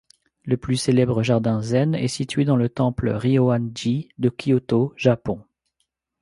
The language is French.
Le plus célèbre jardin zen est situé dans le temple Ryōan-ji de Kyoto, Japon.